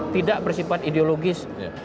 tidak bersifat ideologis